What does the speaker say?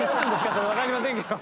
それわかりませんけど。